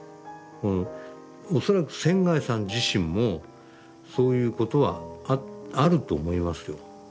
恐らく仙さん自身もそういうことはあると思いますよ。